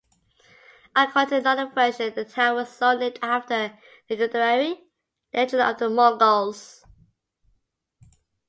According to another version, the town was so-named after Nikudari legion of the Mongols.